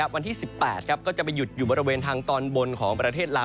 วันที่๑๘ก็จะไปหยุดอยู่บริเวณทางตอนบนของประเทศลาว